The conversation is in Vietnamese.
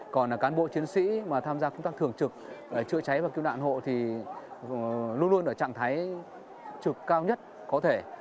còn cán bộ chiến sĩ mà tham gia công tác thường trực cháy và cứu nạn hộ thì luôn luôn ở trạng thái trực cao nhất có thể